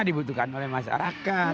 dibutuhkan oleh masyarakat